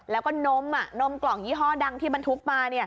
แล้วก็นมนมกล่องยี่ห้อดังที่บรรทุกมา